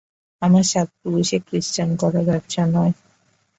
আমার সাত পুরুষে ক্রিশ্চান করা ব্যবসা নয়!